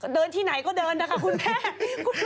เดินที่ไหนก็เดินนะคะคุณแม่